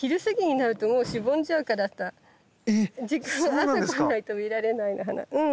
朝じゃないと見られない花。